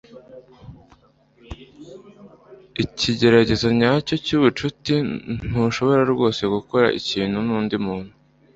ikigeragezo nyacyo cyubucuti ntushobora rwose gukora ikintu nundi muntu